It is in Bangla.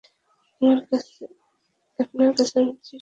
আপনার কাছে আমি চিরঋণী, আমার পায়ে হাত দিবেন না।